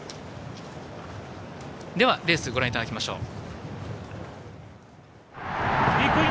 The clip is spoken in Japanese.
レースをご覧いただきましょう。